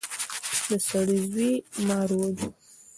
د سړي زوی مار وواژه.